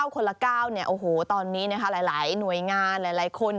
คนละ๙ตอนนี้นะคะหลายหน่วยงานหลายคน